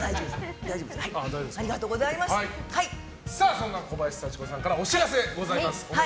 そんな小林幸子さんからお知らせございます。